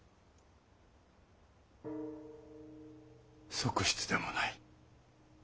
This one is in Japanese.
側室でもない。